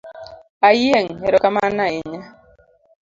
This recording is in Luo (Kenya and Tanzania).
Ayieng’ erokamano ahinya.